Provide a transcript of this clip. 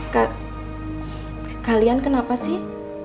kak kalian kenapa sih